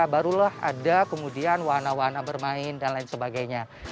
barulah ada kemudian wana wana bermain dan lain sebagainya